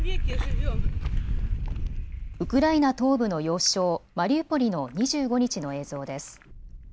ウクライナ東部の要衝、マリウポリの２５日の映像です。